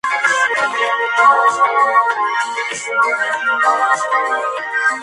La banda sonora contó además con la participación del violinista Joshua Bell.